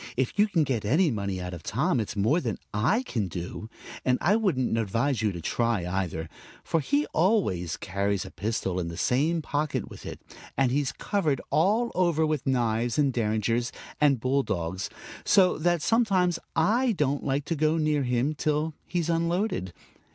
If you can get any money out of Tom it's more than I can do. And I wouldn't advise you to try, either; for he always carries a pistol in the same pocket with it, and he's covered all over with knives and derringers and bull dogs, so that sometimes I don't like to go near him till he's unloaded.